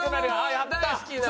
やった！